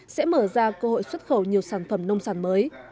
sẽ mở ra cơ hội xuất khẩu nhiều sản phẩm nông sản mới